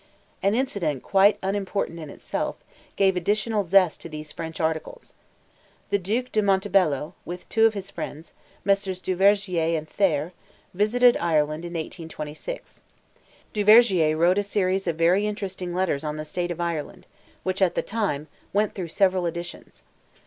An incident quite unimportant in itself, gave additional zest to these French articles. The Duke de Montebello, with two of his friends, Messrs. Duvergier and Thayer, visited Ireland in 1826. Duvergier wrote a series of very interesting letters on the "State of Ireland," which, at the time, went through several editions.